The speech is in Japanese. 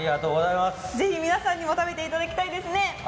ぜひ皆さんにも食べていただきたいですね。